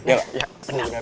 ya ya benar